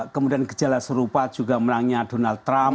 kemudian gejala serupa juga menangnya donald trump